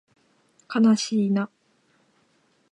かなしいな